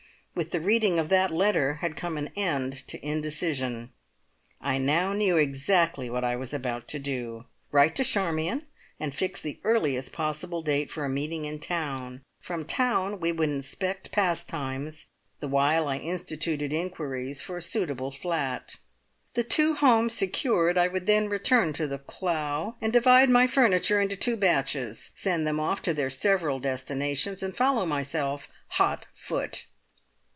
With the reading of that letter had come an end to indecision. I now knew exactly what I was about to do. Write to Charmion, and fix the earliest possible date for a meeting in town. From town we would inspect Pastimes, the while I instituted inquiries for a suitable flat. The two homes secured, I would then return to The Clough, and divide my furniture into two batches, send them off to their several destinations, and follow myself, hot foot.